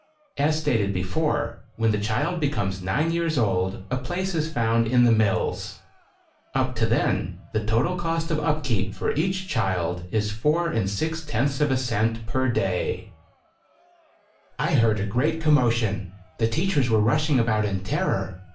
As stated before, when the child becomes nine years old, a place is found in the mills. Up to then, the total cost of upkeep for each child is four and six tenths of a cent per day. >:*>:♦*> I heard a great commotion. The teachers were rushing about in terror.